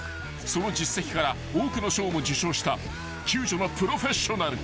［その実績から多くの賞も受賞した救助のプロフェッショナル］